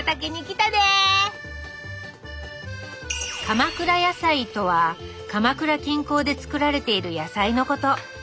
「鎌倉やさい」とは鎌倉近郊で作られている野菜のこと。